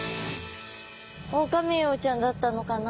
オオカミウオちゃんだったのかな。